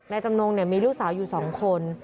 จำนงมีลูกสาวอยู่๒คน